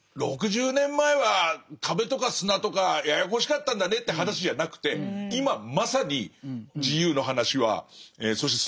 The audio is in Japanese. ６０年前は壁とか砂とかややこしかったんだねって話じゃなくて会社家族。